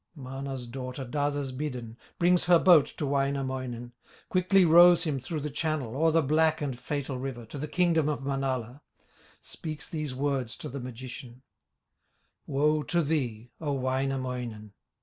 Mana's daughter does as bidden, Brings her boat to Wainamoinen, Quickly rows him through the channel, O'er the black and fatal river, To the kingdom of Manala, Speaks these words to the magician: "Woe to thee! O Wainamoinen!